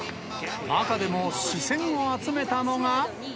中でも視線を集めたのが。